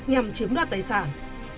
nhằm chiếm đoạt tài sản